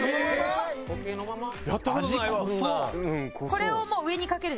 これをもう上にかける。